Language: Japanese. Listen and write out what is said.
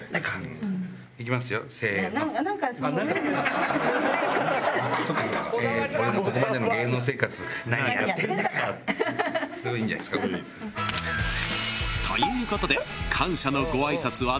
［ということで感謝のご挨拶は大成功］